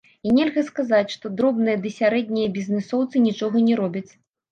І нельга сказаць, што дробныя ды сярэднія бізнэсоўцы нічога не робяць.